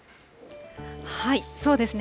そうですね。